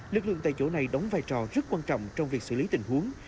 lực lượng tại chỗ này đóng vai trò rất quan trọng trong việc xử lý tình huống